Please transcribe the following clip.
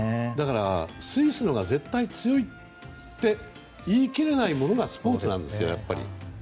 だから、スイスのほうが絶対に強いって言い切れないものがスポーツなんですよ、やっぱり。